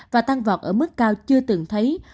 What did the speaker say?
và tăng vọt ở mức cao chưa từng thấy